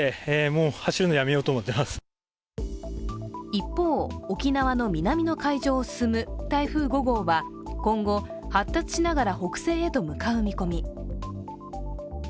一方、沖縄の南の海上を進む台風５号は今後、発達しながら北西へと向かう見込み。